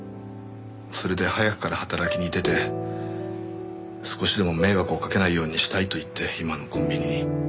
それで早くから働きに出て少しでも迷惑をかけないようにしたいといって今のコンビニに。